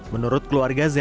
menurut keluarga za